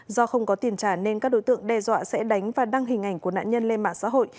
do không có tiền trả nên các đối tượng đe dọa sẽ đánh và đăng hình ảnh của nạn nhân lên mạng xã hội